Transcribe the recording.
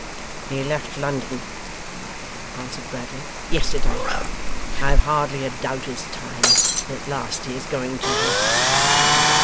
'He left London,' answered Bradley, 'yesterday. I have hardly a doubt, this time, that at last he is going to her.